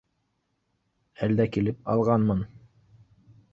Әлдә килеп алғанмын